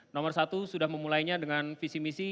nomor satu sudah memulainya dengan visi misi